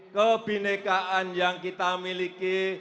kebenekaan yang kita miliki